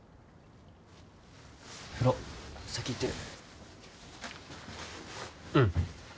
風呂先行ってるうん